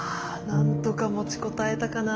なんとか持ちこたえたかな。